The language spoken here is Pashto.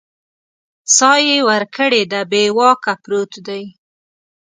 ساه یې ورکړې ده بې واکه پروت دی